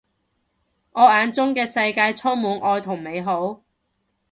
我眼中嘅世界充滿愛同美好